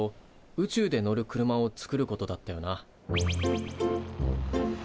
宇宙で乗る車を作ることだったよな。